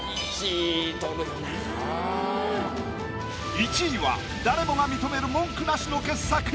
１位は誰もが認める文句なしの傑作。